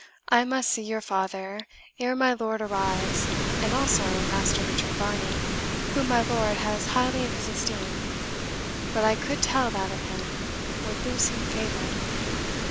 I must see your father ere my lord arrives, and also Master Richard Varney, whom my lord has highly in his esteem but I could tell that of him would lose him favour."